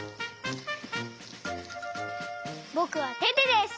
ぼくはテテです！